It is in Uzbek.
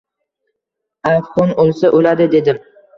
Afg’on o’lsa o’ladi, dedim.